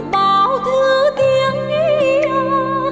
bão thư tiếng nghĩa